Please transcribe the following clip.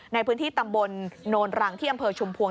ในพื้นที่ตำบลโนนรังที่อำเภอชุมพวง